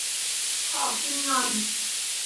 ขอกินหน่อย